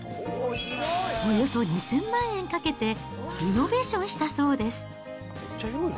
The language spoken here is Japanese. およそ２０００万円かけてリノベーションしたそうです。